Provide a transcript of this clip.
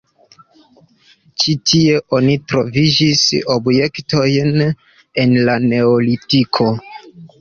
Ĉi tie oni trovis objektojn el la neolitiko.